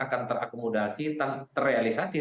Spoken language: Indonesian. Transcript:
akan terakomodasi terrealisasi